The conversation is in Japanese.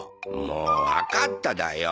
もうわかっただよ。